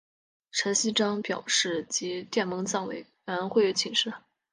陈锡璋表示即电蒙藏委员会请示。